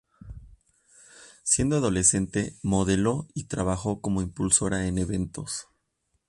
Siendo adolescente, modeló y trabajó como impulsora en eventos.